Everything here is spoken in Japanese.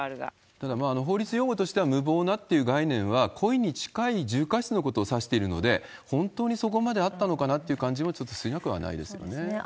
ただ、法律用語としては無謀なっていう概念は、故意に近い重過失のことを指しているので、本当にそこまであったのかなという感じもちょっとしなくはないでそうですね。